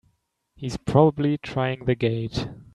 He's probably trying the gate!